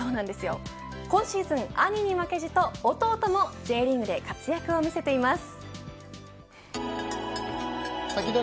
今シーズン兄に負けじと弟もＪリーグで活躍を見せています。